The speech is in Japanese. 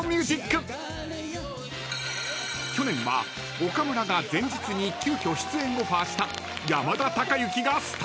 ［去年は岡村が前日に急きょ出演オファーした］